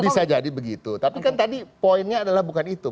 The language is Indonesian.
bisa jadi begitu tapi kan tadi poinnya adalah bukan itu